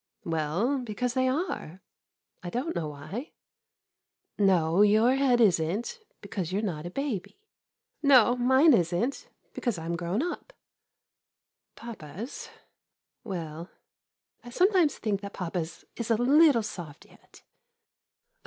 Well, because they are — I don't know why. No, your head is n't, be cause you 're not a baby. No, mine is n't, because I 'm grown up. Papa's ?— well — I sometimes think that papa's is a little soft yet.